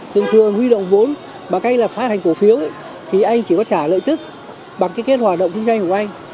thường thường huy động vốn bằng cách là phát hành cổ phiếu thì anh chỉ có trả lợi tức bằng cái kết hoạt động kinh doanh của anh